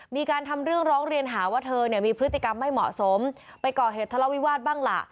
มีการทำเรื่องร้องเรียนหาว่าเธอเนี่ยมีพฤติกรรมไม่เหมาะสมไปก่อเหตุทะเลาวิวาสบ้างล่ะ